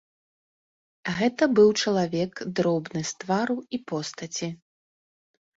Гэта быў чалавек, дробны з твару і постаці.